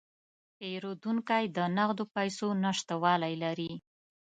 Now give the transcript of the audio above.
پیرودونکی د نغدو پیسو نشتوالی لري.